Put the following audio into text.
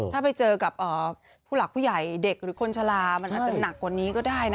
ถ้าไปเจอกับผู้หลักผู้ใหญ่เด็กหรือคนชะลามันอาจจะหนักกว่านี้ก็ได้นะ